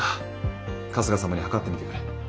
春日様にはかってみてくれ。